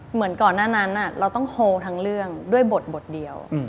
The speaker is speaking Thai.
เหมือนก่อนหน้านั้นเราต้องโฮลทั้งเรื่องด้วยบทเดียว